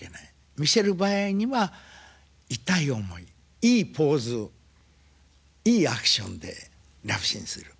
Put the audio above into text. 見せる場合には痛い思いいいポーズいいアクションでラブシーンする。